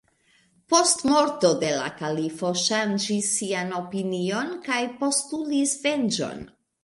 Post morto de la kalifo ŝanĝis sian opinion kaj postulis venĝon.